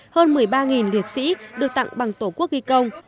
hơn một mươi ba liệt sĩ được tặng bằng tổ quốc ghi công